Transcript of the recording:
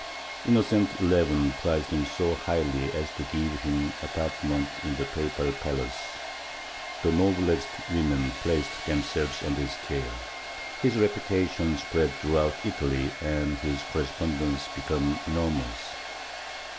Innocent XI prized him so highly as to give him apartments in the papal palace; the noblest women placed themselves under his care; his reputation spread throughout Italy and his correspondence became enormous.